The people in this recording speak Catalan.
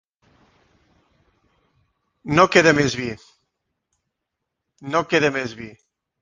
No queda més vi.